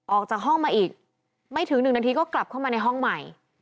ออกจากห้องมาอีกไม่ถึง๑นาทีก็กลับเข้ามาในห้องใหม่